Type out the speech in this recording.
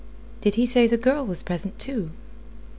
Did he say the girl was present, too?"